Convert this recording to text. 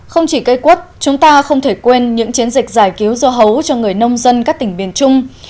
không chỉ cây quất chúng ta không thể quên những chiến dịch giải cứu dưa hấu cho người nông dân các tỉnh miền trung